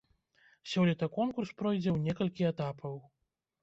Сёлета конкурс пройдзе у некалькі этапаў.